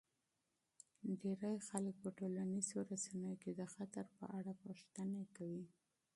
ډیری خلک په ټولنیزو رسنیو کې د خطر په اړه پوښتنې کوي.